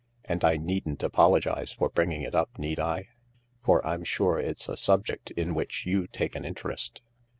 " And I needn't apolo gise for bringing it up, need I ? For I'm sure it's a subject in which you take an interest.